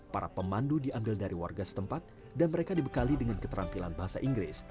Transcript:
para pemandu diambil dari warga setempat dan mereka dibekali dengan keterampilan bahasa inggris